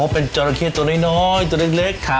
อ๋อเป็นจอลลาเคต์ตัวน้อยตัวเล็ก